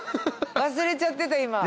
忘れちゃってた今。